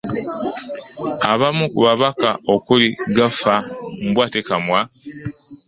Abamu ku babaka okuli Gaffa Mbwatekamwa